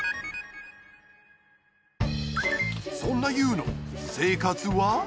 そんなＹＯＵの生活は？